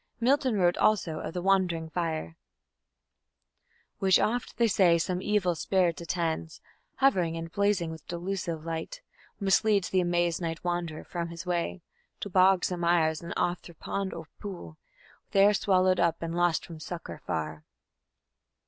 Milton wrote also of the "wandering fire", Which oft, they say, some evil spirit attends, Hovering and blazing with delusive light, Misleads th' amaz'd night wand'rer from his way To bogs and mires, and oft through pond or pool; There swallowed up and lost from succour far.